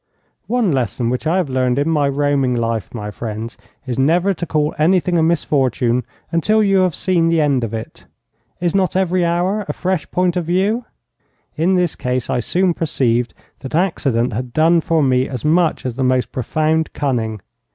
One lesson which I have learned in my roaming life, my friends, is never to call anything a misfortune until you have seen the end of it. Is not every hour a fresh point of view? In this case I soon perceived that accident had done for me as much as the most profound cunning.